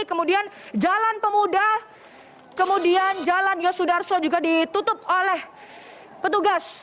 kemudian jalan pemuda kemudian jalan yosudarso juga ditutup oleh petugas